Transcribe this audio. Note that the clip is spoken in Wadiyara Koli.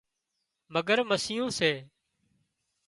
مگرمسيون سي